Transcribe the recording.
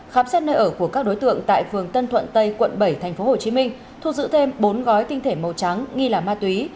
khám xét nơi ở của các đối tượng tại phường tân thuận tây quận bảy tp hcm thu giữ thêm bốn gói tinh thể màu trắng nghi là ma túy